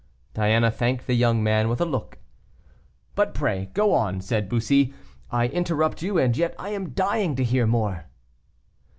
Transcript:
Diana thanked the young man with a look. "But pray go on," said Bussy, "I interrupt you, and yet I am dying to hear more."